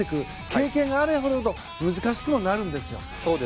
経験があればあるほど難しくもあるんですよ。